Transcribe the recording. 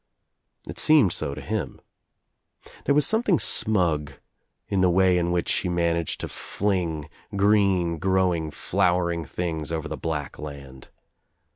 It seemed so to him. There was something smug in the way in which she managed to fling green growing flowering things over the black land.